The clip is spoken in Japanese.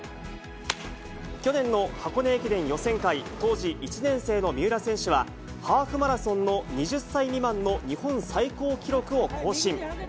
去年の箱根駅伝予選会、当時１年生の三浦選手は、ハーフマラソンの２０歳未満の日本最高記録を更新。